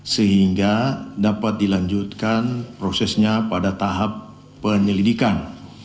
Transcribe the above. sehingga dapat dilanjutkan prosesnya pada tahap penyelidikan